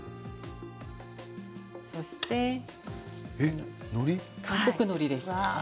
そして、韓国のりです。